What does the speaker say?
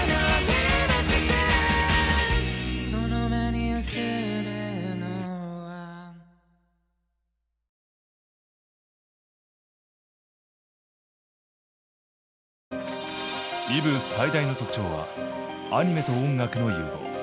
Ｅｖｅ最大の特徴はアニメと音楽の融合。